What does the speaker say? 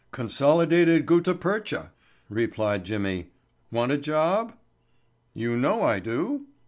"Consolidated Gutta Percha," replied Jimmy. "Want a job?" "You know I do.